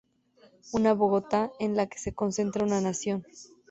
Una Bogotá en la que se concentra una Nación.